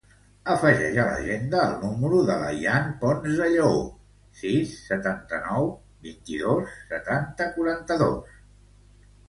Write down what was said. Afegeix a l'agenda el número de l'Ayaan Ponce De Leon: sis, setanta-nou, vint-i-dos, setanta, quaranta-dos.